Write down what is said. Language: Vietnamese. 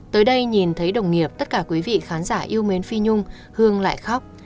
tới đây nhìn thấy đồng nghiệp tất cả quý vị khán giả yêu mến phi nhung hương lại khóc